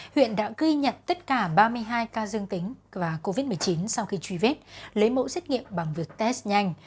huyện đã ghi nhận tất cả ba mươi hai ca dương tính và covid một mươi chín sau khi truy vết lấy mẫu xét nghiệm bằng việc test nhanh